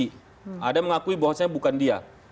ada yang mengakui bahwasannya bukan dia